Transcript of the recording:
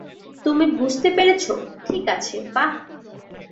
তুমি বুঝতে পেরেছ - ঠিক আছে, বাহ।